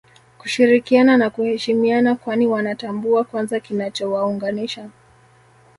Kushirikiana na kuheshimiana kwani Wanatambua kwanza kinachowaunganisha